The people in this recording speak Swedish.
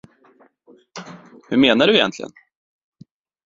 Hur menar du egentligen?